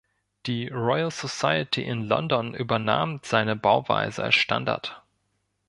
Die Royal Society in London übernahm seine Bauweise als Standard.